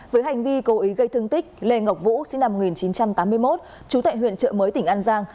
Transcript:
với hành vi cố ý gây thương tích lê ngọc vũ sinh năm một nghìn chín trăm tám mươi một trú tại huyện trợ mới tỉnh an giang